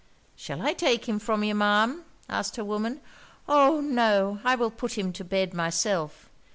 'Shall I take him from you, Ma'am?' asked her woman. 'Oh! no! I will put him to bed myself.'